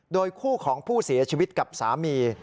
โดยคู่ของผู้เสียชีวิตกับสามี